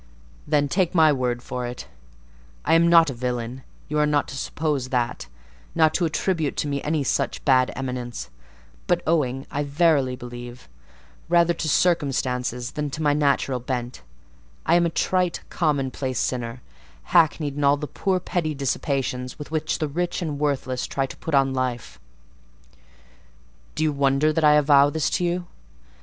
Then take my word for it,—I am not a villain: you are not to suppose that—not to attribute to me any such bad eminence; but, owing, I verily believe, rather to circumstances than to my natural bent, I am a trite commonplace sinner, hackneyed in all the poor petty dissipations with which the rich and worthless try to put on life. Do you wonder that I avow this to you?